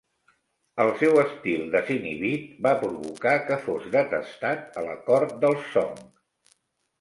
El seu estil desinhibit va provocar que fos detestat a la cort dels Song.